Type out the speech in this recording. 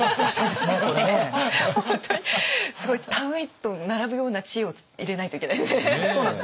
すごい田植えと並ぶような知恵を入れないといけないですね。